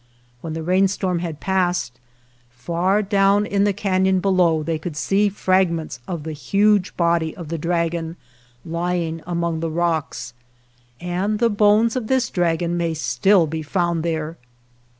When the rainstorm had passed, far down in the canon below, they could see fragments of the huge body of the dragon lying among the rocks, and the bones of this dragon may still be found there.